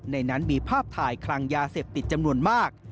ในนั้นมีภาพถ่ายคลังยาเสพติดจำนวนมาก